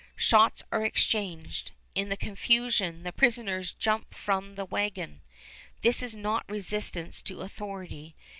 Shots are exchanged. In the confusion the prisoners jump from the wagon. This is not resistance to authority.